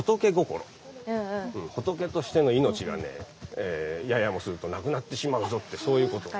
仏としての命がねややもするとなくなってしまうぞってそういうこと。